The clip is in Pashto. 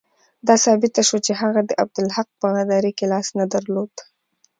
دا ثابته شوه چې هغه د عبدالحق په غداري کې لاس نه درلود.